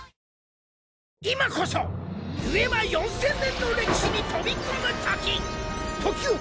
今こそデュエマ４０００年の歴史に飛び込むとき。